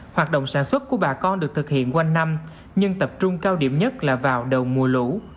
hoạt động sản xuất của bà con được thực hiện quanh năm nhưng tập trung cao điểm nhất là vào đầu mùa lũ